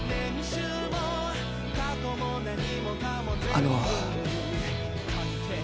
あの。